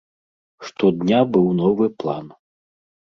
Штодня быў новы план.